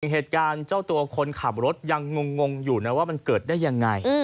เหตุการณ์เจ้าตัวคนขับรถยังงงอยู่นะว่ามันเกิดได้ยังไง